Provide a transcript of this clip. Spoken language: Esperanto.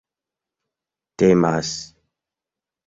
temas